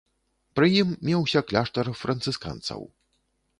Пры ім меўся кляштар францысканцаў.